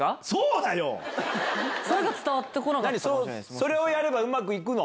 それをやればうまく行くの？